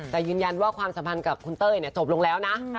แต่ยืนยันว่าความสัมพันธ์กับคุณเต้ยจบลงแล้วนะ